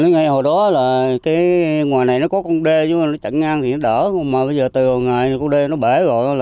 ngày hồi đó là cái ngoài này nó có con đê chứ nó chẳng ngang thì nó đỡ mà bây giờ từ hồi ngày con đê nó bể rồi